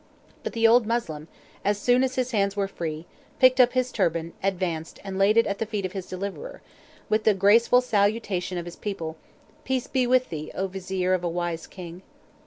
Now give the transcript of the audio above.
But the old Moslem, as soon as his hands were free, picked up his turban, advanced, and laid it at the feet of his deliverer, with the graceful salutation of his people, "Peace be with thee, O Vizier of a wise king!"